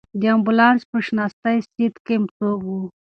د امبولانس په شاتني سېټ کې څوک و؟